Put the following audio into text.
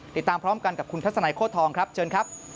ติดตามพร้อมกันกับคุณทัศนัยโค้ทองครับเชิญครับ